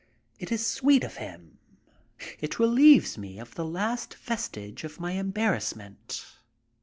It is sweet of him. It relieves me of the last vestige of my embarrassment.